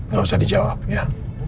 gak usah dijawab ya